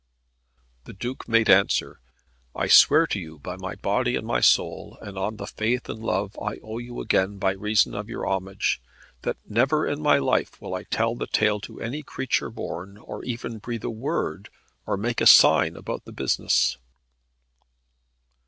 The Duke made answer, "I swear to you by my body and my soul, and on the faith and love I owe you again by reason of your homage, that never in my life will I tell the tale to any creature born, or even breathe a word or make a sign about the business."